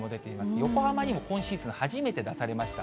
横浜にも今シーズン初めて出されました。